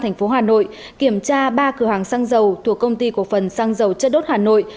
tp hà nội kiểm tra ba cửa hàng xăng dầu thuộc công ty cộng phần xăng dầu chất đốt hà nội